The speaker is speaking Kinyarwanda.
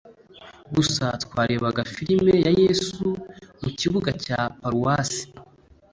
gusa twarebaga filime ya yezu mu kibuga cya paruwasi